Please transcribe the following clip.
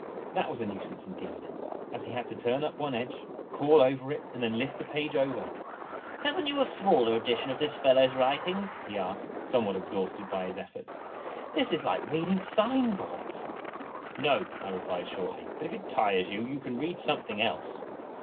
That was a nuisance indeed, as he had to turn up one edge, crawl over it, and then lift the page over. " Have n't you a smaller edition of this fellow's writings ?" he "HE WAS CAUGHT BENEATH THE COVER OF THE BOOK. asked, somewhat exhausted by his efforts. " This is like reading siori boards !"<_> "No," I replied shortly, "but if it tires you, you can read some thing else."